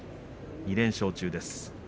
２連勝中です。